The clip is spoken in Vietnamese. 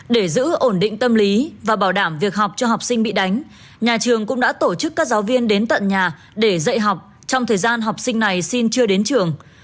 để giữ ổn định tâm lý và bảo đảm việc học cho học sinh bị đánh nhà trường cũng đã tổ chức các giáo viên đến tận nhà để dạy học trong thời gian học sinh này xin chưa đến trường